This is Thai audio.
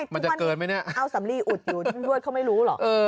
มันจะเกินไหมเนี่ยเอาสำลีอุดอยู่รวดเขาไม่รู้เหรอ